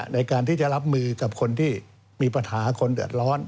ในการที่จะรับมือกับคนที่มีปัญหาคนเดือดร้อน